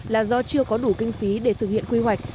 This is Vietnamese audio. là do chưa có đủ kinh phí để thực hiện quy hoạch